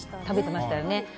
食べてましたよね。